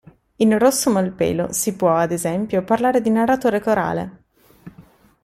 In Rosso Malpelo si può, ad esempio, parlare di narratore corale.